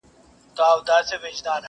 تاج دي کم سلطان دي کم اورنګ دي کم.!